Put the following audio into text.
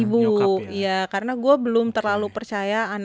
ibu ya karena gue belum terlalu percaya anak gue umur lima tahun ya